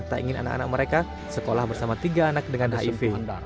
tak ingin anak anak mereka sekolah bersama tiga anak dengan hiv handar